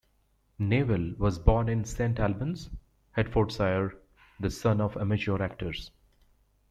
Newell was born in Saint Albans, Hertfordshire, the son of amateur actors.